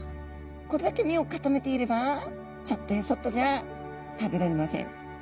これだけ身を固めていればちょっとやそっとじゃ食べられません。